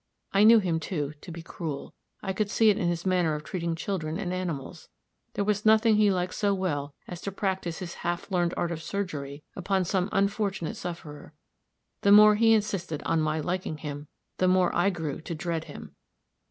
I knew him, too, to be cruel. I could see it in his manner of treating children and animals; there was nothing he liked so well as to practice his half learned art of surgery upon some unfortunate sufferer. The more he insisted on my liking him, the more I grew to dread him.